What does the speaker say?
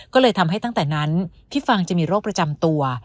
ก็เลยทำให้ตั้งแต่นั้นที่ฟังจะมีโรคประจำตัว